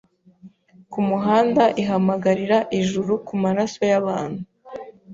kumuhanda Ihamagarira Ijuru kumaraso yabantu